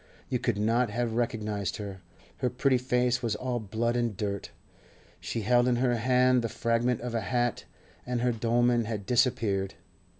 You could not have recognised her; her pretty face was all blood and dirt. She held in her hand the fragment of a hat, and her dolman had disappeared.